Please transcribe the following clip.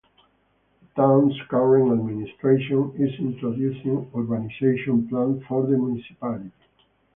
The town's current administration is introducing urbanization plan for the municipality.